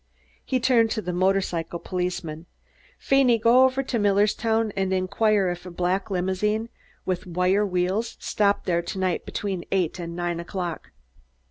He turned to the motorcycle policeman. "Feeney, go over to Millerstown and inquire if a black limousine with wire wheels stopped there to night between eight and nine o'clock."